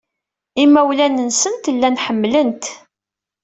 Imawlan-nsent llan ḥemmlen-t.